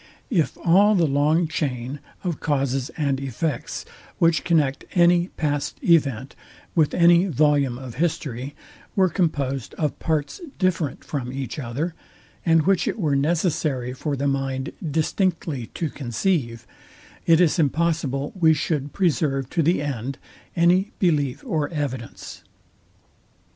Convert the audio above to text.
If all the long chain of causes and effects, which connect any past event with any volume of history, were composed of parts different from each other, and which it were necessary for the mind distinctly to conceive, it is impossible we should preserve to the end any belief or evidence.